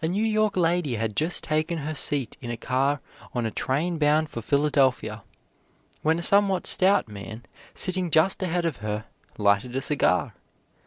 A New York lady had just taken her seat in a car on a train bound for Philadelphia, when a somewhat stout man sitting just ahead of her lighted a cigar.